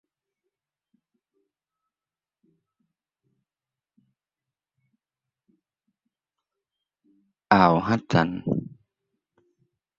อ่าวฮัดสัน